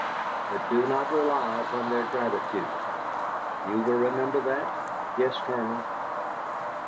But do not rely upon their gratitude. You will remember that?" "Yes, Colonel."